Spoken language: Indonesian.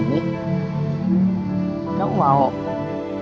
kamu dari tadi ngeliatin jus pisang ini